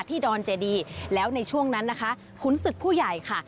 ดอนเจดีแล้วในช่วงนั้นนะคะขุนศึกผู้ใหญ่ค่ะ